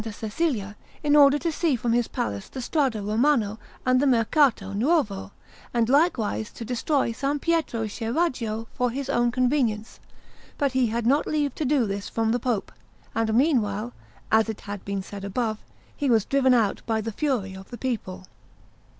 Cecilia, in order to see from his palace the Strada Romana and the Mercato Nuovo, and likewise to destroy S. Pietro Scheraggio for his own convenience, but he had not leave to do this from the Pope; and meanwhile, as it has been said above, he was driven out by the fury of the people.